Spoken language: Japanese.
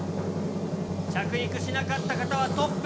着陸しなかった方はトップ。